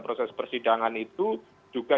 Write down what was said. proses persidangan itu juga